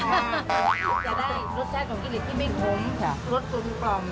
จะได้รสชาติของขี้เหล็กที่ไม่คมรสสมปรอม